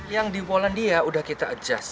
yang di polandia sudah kita adjust